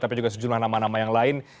tapi juga sejumlah nama nama yang lain